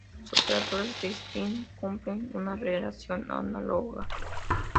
Los operadores de espín cumplen una relación análoga.